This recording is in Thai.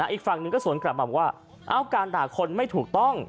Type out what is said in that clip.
อีกฝั่งหนึ่งก็สวนกลับมาบอกว่าการด่าคนไม่ถูกต้อง